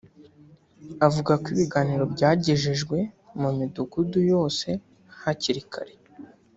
Avuga ko ibiganiro byagejejwe mu midugudu yose hakiri kare